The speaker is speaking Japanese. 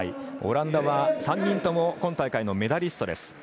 オランダは、３人とも今大会のメダリストです。